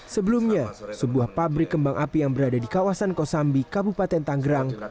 sebelumnya sebuah pabrik kembang api yang berada di kawasan kosambi kabupaten tanggerang